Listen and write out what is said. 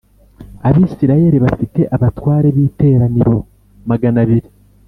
Abisirayeli bafite abatware b’iteraniro magana abiri